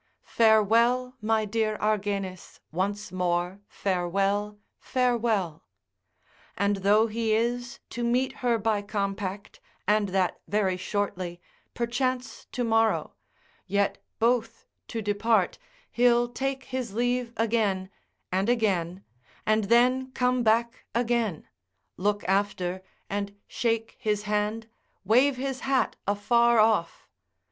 Farewell my dear Argenis, once more farewell, farewell. And though he is to meet her by compact, and that very shortly, perchance tomorrow, yet both to depart, he'll take his leave again, and again, and then come back again, look after, and shake his hand, wave his hat afar off.